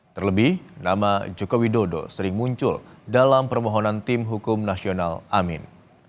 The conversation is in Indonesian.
terlebih nama joko widodo sering muncul dalam permohonan tim hukum nasional amin